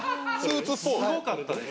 すごかったです